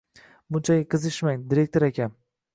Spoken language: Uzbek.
Bunchalik qizishmang, direktor aka